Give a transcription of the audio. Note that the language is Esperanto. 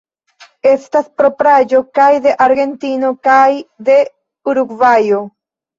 Estas propraĵo kaj de Argentino kaj de Urugvajo.